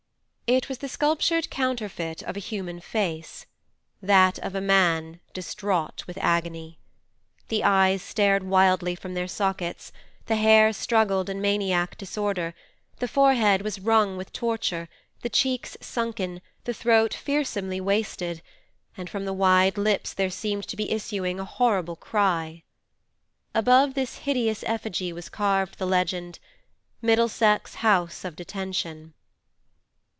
It was the sculptured counterfeit of a human face, that of a man distraught with agony. The eyes stared wildly from their sockets, the hair struggled in maniac disorder, the forehead was wrung with torture, the cheeks sunken, the throat fearsomely wasted, and from the wide lips there seemed to be issuing a horrible cry. Above this hideous effigy was carved the legend: 'MIDDLESEX HOUSE OF DETENTION.